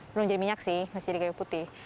belum jadi minyak sih masih jadi kayu putih